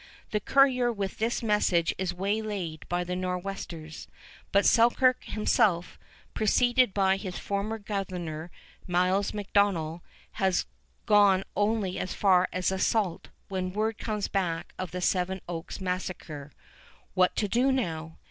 The coureur with this message is waylaid by the Nor'westers, but Selkirk himself, preceded by his former governor, Miles MacDonell, has gone only as far as the Sault when word comes back of the Seven Oaks massacre. What to do now?